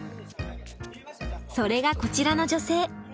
それがこちらの女性。